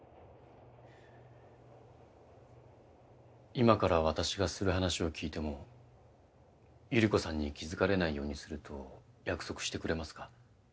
今から私がする話を聞いてもゆり子さんに気づかれないようにすると約束してくれますか？